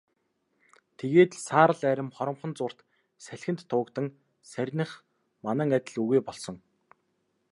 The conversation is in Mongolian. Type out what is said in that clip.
Тэгээд л саарал арми хоромхон зуурт салхинд туугдан сарних манан адил үгүй болсон.